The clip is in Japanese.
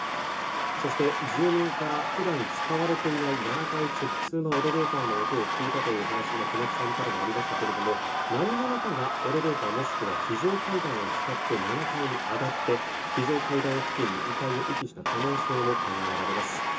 そして、住民から普段使われていない７階直通のエレベーターの音を聞いたという話が小松さんからもありましたが何者かがエレベーターもしくは非常階段を使って７階に上がって非常階段付近に遺体を遺棄した可能性も考えられます。